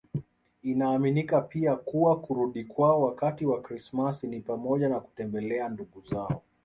Inaaminika pia kuwa kurudi kwao wakati wa Krismasi ni pamoja na kutembelea ndugu zao